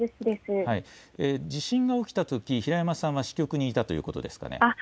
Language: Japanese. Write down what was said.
地震が起きたとき、平山さんは支局にいたということですかね。